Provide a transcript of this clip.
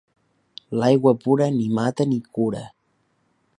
L'aigua pura ni mata ni cura.